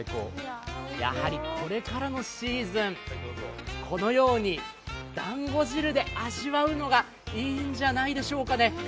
やはりこれからのシーズン、このように団子汁で味わうのがいいんじゃないですかね。